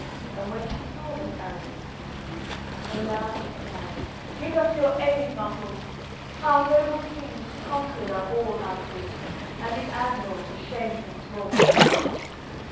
And when she saw those Arrabits confused Aloud she cried: "Give us your aid, Mahume! Ah! Noble king, conquered are all our troops, And the admiral to shameful slaughter put!"